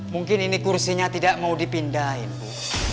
mungkin ini kursinya tidak mau dipindahin bu